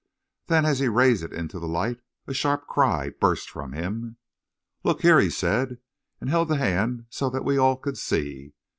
Then, as he raised it into the light, a sharp cry burst from him. "Look here," he said, and held the hand so that we all could see.